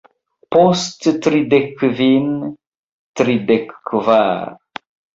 Post tridek kvin... tridek kvar